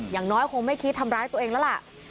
อย่างน้อยคงไม่คิดทำร้ายตัวเองแล้วล่ะ